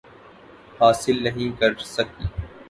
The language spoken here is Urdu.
ی حاصل نہیں کر سک